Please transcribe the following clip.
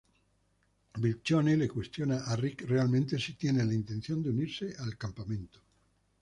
Michonne le cuestiona a Rick realmente si tiene la intención de unirse al campamento.